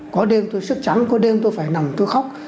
có đêm tôi sức trắng có đêm tôi phải nằm tôi khóc